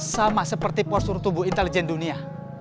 sama seperti postur tubuh intelijen dunia